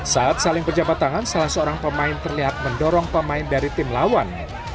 saat saling berjabat tangan salah seorang pemain terlihat mendorong pemain dari tim lawan